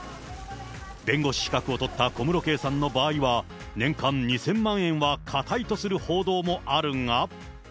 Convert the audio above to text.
弁護士資格を取った小室圭さんの場合は、年間２０００万円はかたいとする報道もあるが。